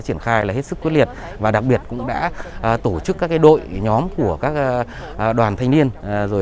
triển khai là hết sức quyết liệt và đặc biệt cũng đã tổ chức các đội nhóm của các đoàn thanh niên